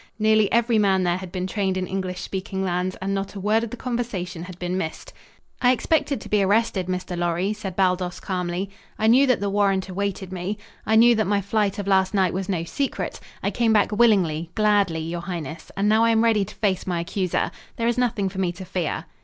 Nearly every man there had been trained in English speaking lands and not a word of the conversation had been missed. "I expected to be arrested, Mr. Lorry," said Baldos calmly. "I knew that the warrant awaited me. I knew that my flight of last night was no secret. I came back willingly, gladly, your highness, and now I am ready to face my accuser. There is nothing for me to fear."